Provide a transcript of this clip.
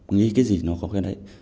nghĩ cái gì nó có cái đấy